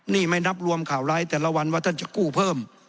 นี่ไม่นับรวมข่าวร้ายแต่ละวันว่าท่านจะกู้เพิ่ม